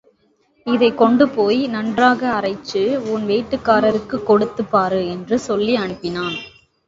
இதைக் கொண்டுபோய் நன்றாக அரைச்சு, உன் வீட்டுக்காரருக்குக் கொடுத்துப் பாரு என்று சொல்லி அனுப்பினான்.